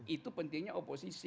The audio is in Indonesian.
itu pentingnya oposisi